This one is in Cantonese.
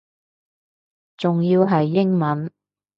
仲要係英文